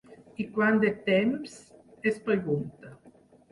I quant de temps?, es pregunta.